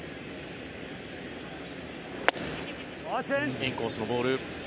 インコースのボール。